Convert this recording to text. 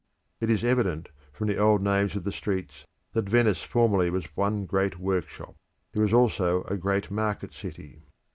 It is evident, from the old names of the streets, that Venice formerly was one great workshop; it was also a great market city.